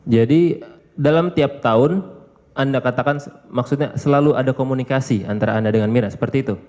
jadi dalam tiap tahun anda katakan maksudnya selalu ada komunikasi antara anda dengan mirna seperti itu